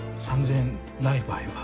３０００円ない場合は？